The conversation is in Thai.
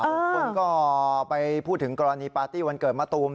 คนก็ไปพูดถึงกรณีปาร์ตี้วันเกิดมะตูม